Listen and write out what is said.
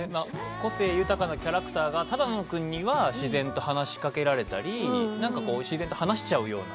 個性豊かなキャラクターが只野君には自然と話しかけられたり自然と話しちゃうような